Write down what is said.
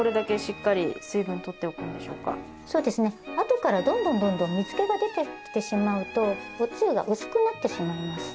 あとからどんどんどんどん水気が出てきてしまうとおつゆが薄くなってしまいます。